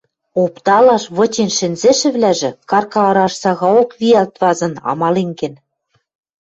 опталаш вычен шӹнзӹшӹлӓжӹ, карка ыраж сагаок виӓлт вазын, амален кен.